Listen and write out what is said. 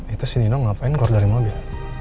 itu si nino ngapain keluar dari mobil